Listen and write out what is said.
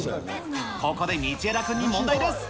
ここで道枝君に問題です。